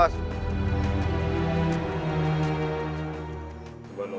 oh sebenarnya bos